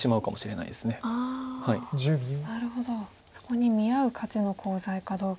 なるほどそこに見合う価値のコウ材かどうかが。